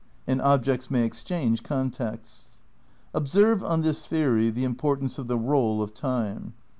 And objects may ex change contexts. Observe, on this theory, the importance of the role of time.